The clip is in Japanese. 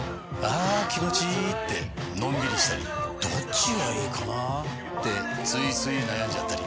あ気持ちいいってのんびりしたりどっちがいいかなってついつい悩んじゃったり。